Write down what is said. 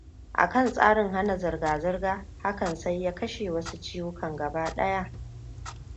Akan tsarin hana zirga-zirga, hakan sai ya kashe wasu ciwukan gaba daya.